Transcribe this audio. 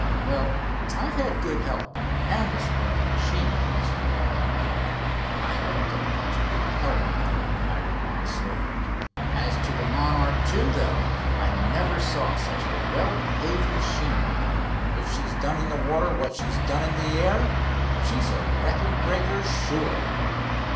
"Well, I've had good help and a splendid machine, you must remember." "I don't go much on the help," declared Hiram modestly. "As to the Monarch II, though, I never saw such a well behaved machine. If she does in the water what she's done in the air, she's a record breaker, sure."